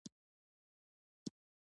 پښتو ژبه د اقتصادي نظام برخه نه ده ګرځېدلې.